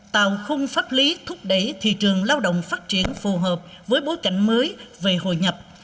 tạo khung pháp lý thúc đẩy thị trường lao động phát triển phù hợp với bối cảnh mới về hội nhập